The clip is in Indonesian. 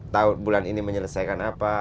tahun ini menyelesaikan apa